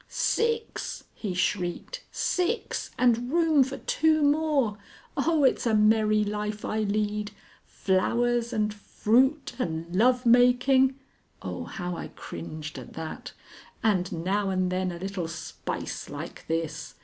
"Six!" he shrieked. "Six! and room for two more! Oh, it's a merry life I lead! Flowers and fruit and love making" (oh, how I cringed at that!), "and now and then a little spice like this!